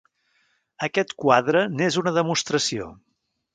Aquest quadre n'és una demostració.